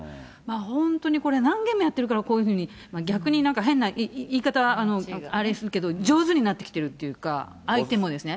本当にこれ、何件もやってるからこういうふうに、逆になんか変な、言い方はあれですけど、上手になってきてるっていうか、相手もですね。